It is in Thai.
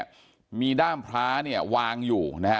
พันให้หมดตั้ง๓คนเลยพันให้หมดตั้ง๓คนเลย